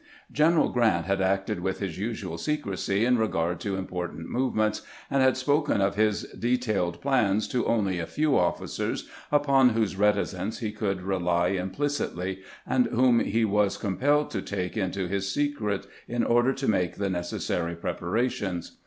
General Grrant had acted with his usual secrecy in regard to important move ments, and had spoken of his detailed plans to only a few officers upon whose reticence he could rely impli citly, and whom he was compelled to take into his secret in order to make the necessary preparations.